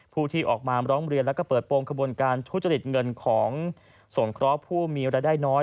ผู้ที่ออกมาร้องเรียนและเปิดโปรงขบวนการทุจจนิดเงินของส่วนคล้อผู้มีรายได้น้อย